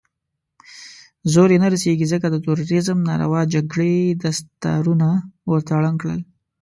زور يې نه رسېږي، ځکه د تروريزم ناروا جګړې دستارونه ورته ړنګ کړل.